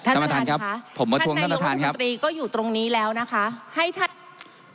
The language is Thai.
ท่านประธานครับผมประทั้งวัฒนธรรมท่านก็อยู่ตรงนี้แล้วนะครับ